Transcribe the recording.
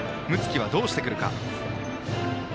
樹はどうしてくるか。